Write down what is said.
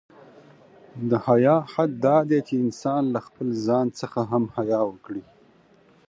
د حیا حد دا دی، چې انسان له خپله ځان څخه هم حیا وکړي.